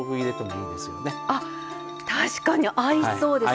あっ確かに合いそうですね。